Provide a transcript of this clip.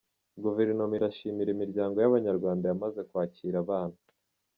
Guverinoma irashimira imiryango y’Abanyarwanda yamaze kwakira abana.